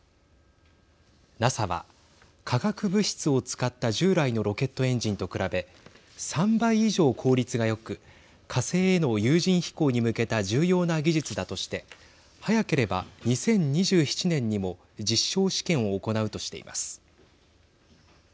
ＮＡＳＡは、化学物質を使った従来のロケットエンジンと比べ３倍以上効率がよく火星への有人飛行に向けた重要な技術だとして早ければ２０２７年にも実証試験を行うとしています。